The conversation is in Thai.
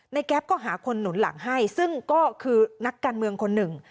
แก๊ปก็หาคนหนุนหลังให้ซึ่งก็คือนักการเมืองคนหนึ่ง